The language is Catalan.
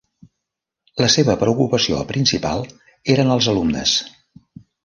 La seva preocupació principal eren els alumnes.